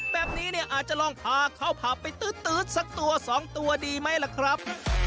แบบนี้เนี่ยอาจจะลองพาเข้าผับไปตื๊ดสักตัวสองตัวดีไหมล่ะครับ